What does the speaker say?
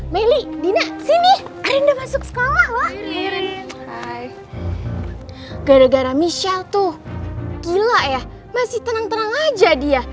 melly dina sini arinda masuk sekolah lo gara gara misal tuh gila ya masih tenang tenang aja dia